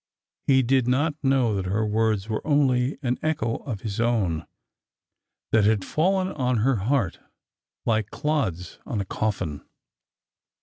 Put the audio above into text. He did not know that her words were only an echo of his own, that had fallen on her heart like clods on a coffin.